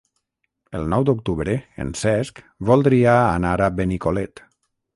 El nou d'octubre en Cesc voldria anar a Benicolet.